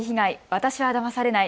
私はだまされない。